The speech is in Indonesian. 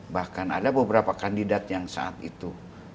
bahkan ada beberapa kandidat yang saat itu